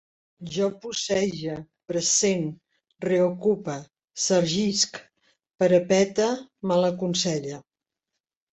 Jo pucege, pressent, reocupe, sargisc, parapete, malaconselle